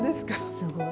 すごい。